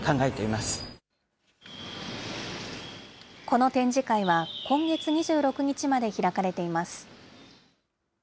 この展示会は、今月２６日まで開かれています。